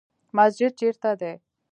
مسجد چیرته دی؟